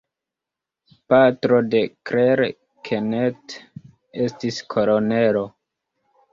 Patro de Claire Kenneth estis kolonelo.